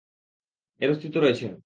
এর অস্তিত্ব রয়েছে।